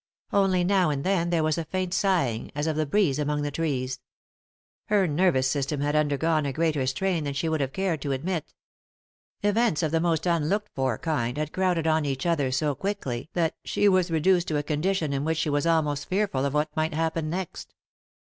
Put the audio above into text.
Only now and then there was a hunt sighing, as of the breeze among the trees. Her nervous system had undergone a greater strain than she would have cared to admit Events of the most unlooked for kind had crowded on each other so quickly that she was reduced to a condition in which she was almost fear ful of what might happen next.